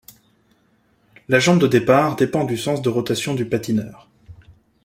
La jambe de départ dépend du sens de rotation du patineur.